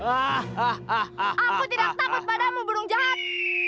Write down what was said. wah aku tidak takut padamu burung jahat